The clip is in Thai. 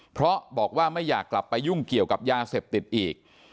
เพราะบอกว่าไม่อยากกลับไปยุ่งเกี่ยวกับยาเสพติดอีก